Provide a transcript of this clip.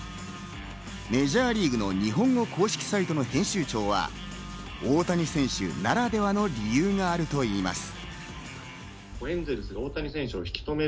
メジャーリーグの日本語公式サイトの編集長は大谷選手ならではの理由があるといいます。